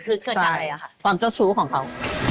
คือเกิดการณ์อะไรล่ะคะใช่ความเจ้าชู้ของเขา